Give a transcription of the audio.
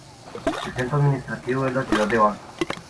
El centro administrativo es la ciudad de Banka.